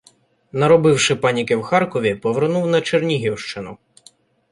Наробивши паніки в Харкові, повернув на Чернігівщину.